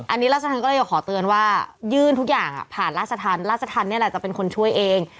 อันนี้รัฐสถานก็เลยขอเตือนว่ายืนทุกอย่างผ่านรัฐสถานรัฐสถานจะเป็นคนช่วยเอง